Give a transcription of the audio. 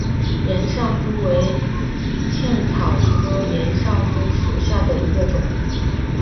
岩上珠为茜草科岩上珠属下的一个种。